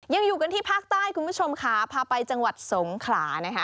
ยังอยู่กันที่ภาคใต้คุณผู้ชมค่ะพาไปจังหวัดสงขลานะคะ